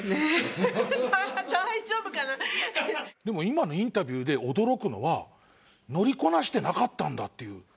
でも今のインタビューで驚くのは乗りこなしてなかったんだっていう。